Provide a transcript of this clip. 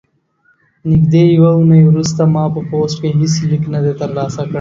نږدې یوه اونۍ وروسته ما په پوسټ کې هیڅ لیک نه دی ترلاسه کړی.